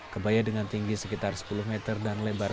kebaya dengan tinggi sekitar sepuluh meter dan lebar